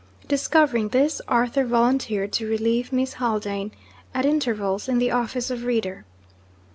Discovering this, Arthur volunteered to relieve Miss Haldane, at intervals, in the office of reader.